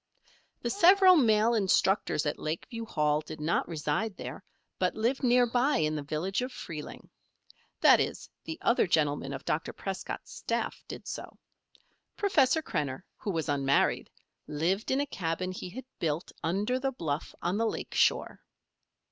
The several male instructors at Lakeview Hall did not reside there, but lived near by in the village of Freeling. That is, the other gentlemen of Dr. Prescott's staff did so. Professor Krenner, who was unmarried, lived in a cabin he had built under the bluff on the lake shore.